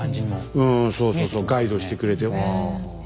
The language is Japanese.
うんそうそうそうガイドしてくれて。